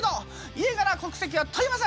家柄国籍は問いません！